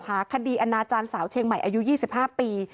คดีอนาจารย์สาวเชียงใหม่อายุ๒๕ปี